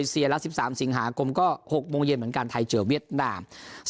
สามสิงหาคมก็หกโมงเย็นเหมือนกันไทยเจ้าเบียดนาม